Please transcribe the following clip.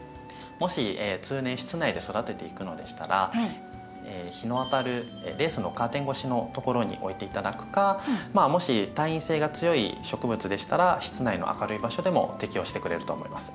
もし通年室内で育てていくのでしたら日の当たるレースのカーテン越しのところに置いて頂くかまあもし耐陰性が強い植物でしたら室内の明るい場所でも適応してくれると思います。